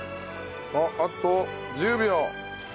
あっあと１０秒。